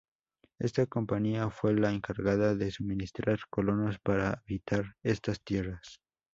Esta compañía fue la encargada de suministrar colonos para habitar estas tierras.